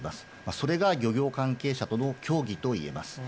それが漁業関係者との協議といえます。